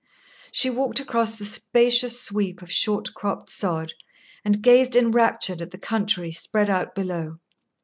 She walked across the spacious sweep of short cropped sod, and gazed enraptured at the country spread out below.